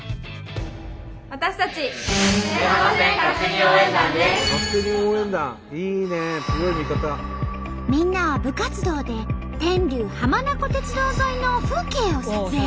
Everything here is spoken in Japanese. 私たちみんなは部活動で天竜浜名湖鉄道沿いの風景を撮影。